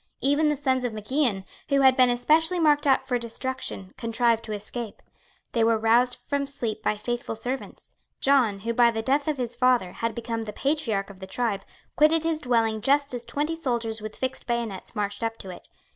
Even the sons of Mac Ian, who had been especially marked out for destruction, contrived to escape. They were roused from sleep by faithful servants. John, who, by the death of his father, had become the patriarch of the tribe, quitted his dwelling just as twenty soldiers with fixed bayonets marched up to it.